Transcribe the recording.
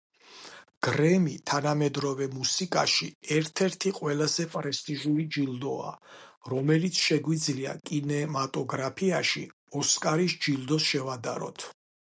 გრემი, თანამედროვე მუსიკაში ერთ-ერთი ყველაზე პრესტიჟული ჯილდოა, რომელიც შეგვიძლია კინემატოგრაფიაში „ოსკარის“ ჯილდოს შევადაროთ.